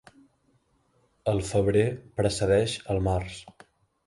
El febrer precedeix el març.